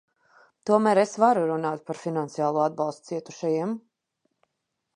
Tomēr es varu runāt par finansiālo atbalstu cietušajiem.